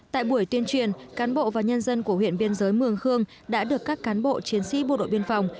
tại buổi tuyên truyền cán bộ và nhân dân của huyện biên giới mường khương đã được các cán bộ chiến sĩ bộ đội biên phòng